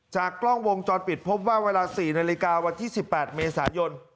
จากกล้องวงจอดปิดพบว่าเวลา๔นายรกา๑๘เมษายน